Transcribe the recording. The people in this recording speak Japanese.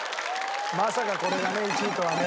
まさかこれがね１位とはね。